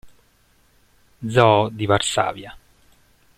Zoo di Varsavia.